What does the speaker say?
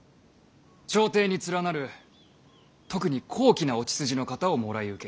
朝廷に連なる特に高貴なお血筋の方をもらい受ける。